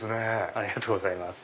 ありがとうございます。